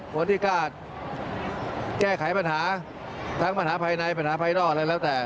คนที่กล้าแก้ไขปัญหาทั้งปัญหาภายในปัญหาภายนอกอะไรแล้วแต่